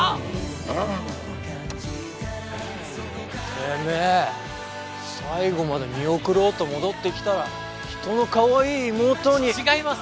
てめぇ最後まで見送ろうと戻ってきたら人のかわいい妹に違います！